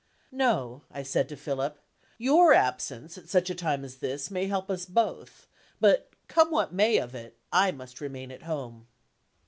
"No," I said to Philip. "Your absence, at such a time as this, may help us both; but, come what may of it, I must remain at home."